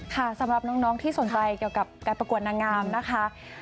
สำหรับน้องที่สนใจเกี่ยวกับการประกวดนางงามนะคะ